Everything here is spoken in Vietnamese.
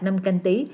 năm canh tí